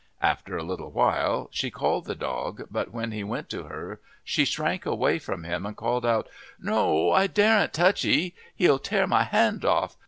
After a little while she called the dog, but when he went to her she shrank away from him and called out, "No, I daren't touch he he'll tear my hand off.